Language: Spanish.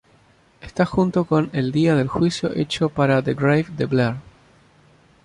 Estas junto con "El día del Juicio" hecho para "The Grave" de Blair.